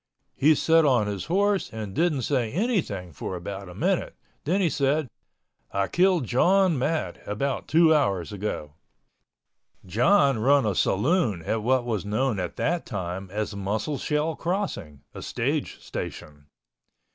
He set on his horse and didn't say anything for about a minute—then he said, "I killed John Matt about two hours ago." John run a saloon at what was known at that time as Musselshell Crossing, a stage station.